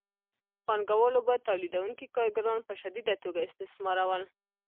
پانګوالو به تولیدونکي کارګران په شدیده توګه استثمارول